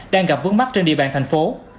đang gặp vướng mắt trên địa bàn tp hcm